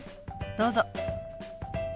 どうぞ。